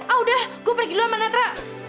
ah udah gue pergi loh sama netra